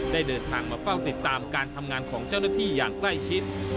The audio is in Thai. เดินทางมาเฝ้าติดตามการทำงานของเจ้าหน้าที่อย่างใกล้ชิด